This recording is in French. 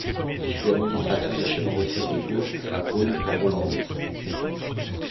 Il fut administrateur des chemins de fer de Bourges à Beaune-la-Rolande.